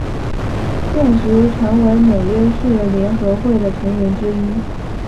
现时陈为纽约市联合会的成员之一。